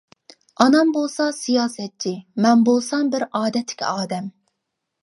ئانام بولسا سىياسەتچى، مەن بولسام بىر ئادەتتىكى ئادەم.